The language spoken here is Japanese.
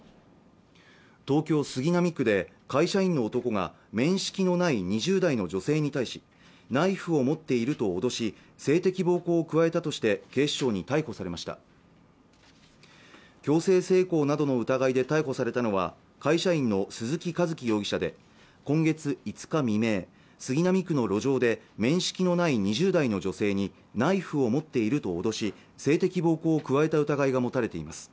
東京・杉並区で会社員の男が面識のない２０代の女性に対しナイフを持っていると脅し性的暴行を加えたとして警視庁に逮捕されました強制性交などの疑いで逮捕されたのは会社員の鈴木寿樹容疑者で今月５日未明杉並区の路上で面識のない２０代の女性にナイフを持っていると脅し性的暴行を加えた疑いが持たれています